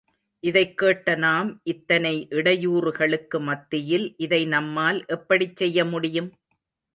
இதைக் கேட்ட நாம், இத்தனை இடையூறுகளுக்கு மத்தியில் இதை நம்மால் எப்படிச் செய்ய முடியும்?